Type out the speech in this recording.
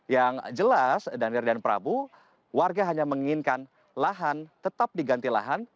yang jelas danir dan prabu warga hanya menginginkan lahan tetap diganti lahan